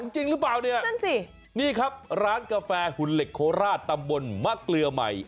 จริงหรือเปล่าเนี่ยนั่นสินี่ครับร้านกาแฟหุ่นเหล็กโคราชตำบลมะเกลือใหม่